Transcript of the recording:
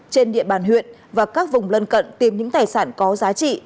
trên địa bàn huyện và các vùng lân cận tìm những tài sản có giá trị